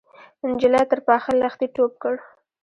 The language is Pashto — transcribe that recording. نجلۍ تر پاخه لښتي ټوپ کړ.